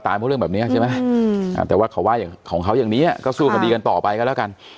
แต่ก็ว่าของเขาอย่างนี้ก็สู้มันดีกันต่อไปกันล่ะ